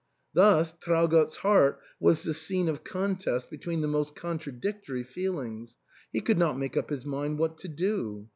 Thus Traugott's heart was the scene of contest between the most contradictory feelings ; he could not make up his mind what to do.